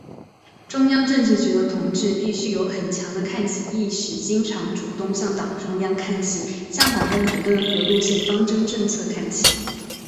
中央政治局的同志必须有很强的看齐意识，经常、主动向党中央看齐，向党的理论和路线方针政策看齐。